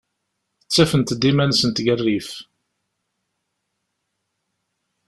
Ttafent-d iman-nsent deg rrif.